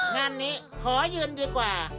งานนี้ขอยืนดีกว่า